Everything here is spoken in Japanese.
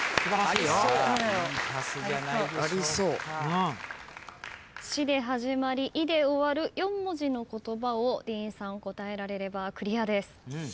「し」で始まり「い」で終わる４文字の言葉をディーンさん答えられればクリアです。